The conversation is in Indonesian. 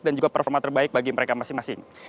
juga performa terbaik bagi mereka masing masing